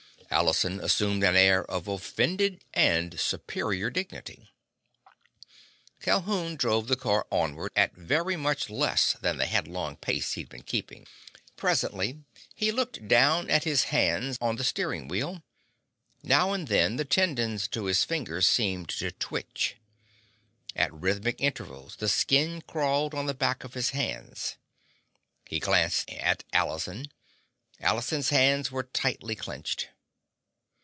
Allison assumed an air of offended and superior dignity. Calhoun drove the car onward at very much less than the head long pace he'd been keeping to. Presently he looked down at his hands on the steering wheel. Now and then the tendons to his fingers seemed to twitch. At rhythmic intervals, the skin crawled on the back of his hands. He glanced at Allison. Allison's hands were tightly clenched.